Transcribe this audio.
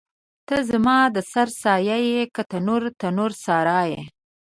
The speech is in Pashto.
ته زما د سر سایه یې که تنور، تنور سارا یې